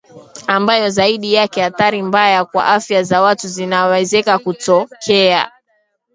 ambayo zaidi yake athari mbaya kwa afya za watu zinawezeka kutokea